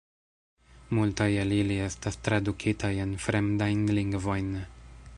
Multaj el ili estas tradukitaj en fremdajn lingvojn.